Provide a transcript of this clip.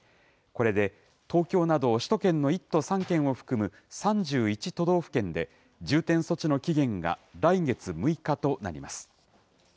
これで、東京など首都圏の１都３県を含む３１都道府県で、重点措置の期限が来月６日となります。